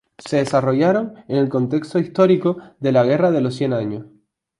Se desarrollaron en el contexto histórico de guerra de los Cien Años.